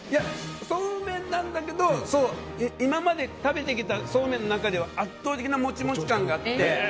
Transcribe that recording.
そうめんなんだけど今まで食べてきたそうめんの中では圧倒的なモチモチ感があって。